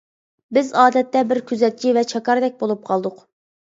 بىز ئادەتتە بىر كۆزەتچى ۋە چاكاردەك بولۇپ قالدۇق.